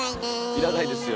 要らないですよ。